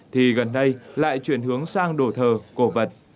thì gần đây lại chuyển hướng sang đổ thờ cổ vật